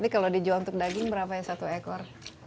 kalau dijual untuk daging berapa ya satu ekor